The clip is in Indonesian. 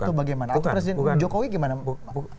atau bagaimana atau presiden jokowi gimana akan menghadapi ini